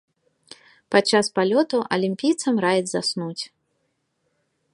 Падчас палёту алімпійцам раяць заснуць.